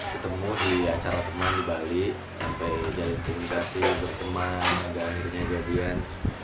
ketemu di acara teman di bali sampai jadi komunikasi berteman dan bernyanyi jadian